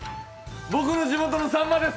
僕の地元のさんまです。